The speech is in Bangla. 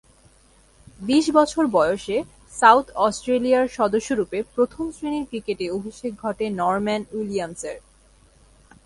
বিশ বছর বয়সে সাউথ অস্ট্রেলিয়ার সদস্যরূপে প্রথম-শ্রেণীর ক্রিকেটে অভিষেক ঘটে নরম্যান উইলিয়ামসের।